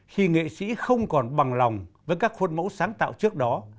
khi nghệ sĩ không còn bằng lòng với các khuôn mẫu sáng tạo trước đó